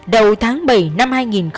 đầu tháng bảy năm hai nghìn một mươi sáu